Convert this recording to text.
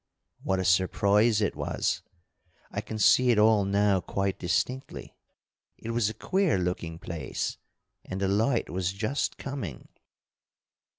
"What a surprise it was! I can see it all now quite distinctly. It was a queer looking place, and the light was just coming.